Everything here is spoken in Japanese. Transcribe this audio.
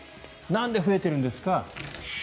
なんで増えているんですか。